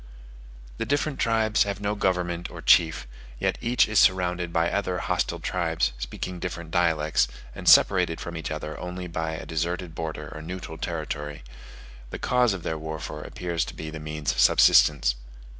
The different tribes have no government or chief; yet each is surrounded by other hostile tribes, speaking different dialects, and separated from each other only by a deserted border or neutral territory: the cause of their warfare appears to be the means of subsistence.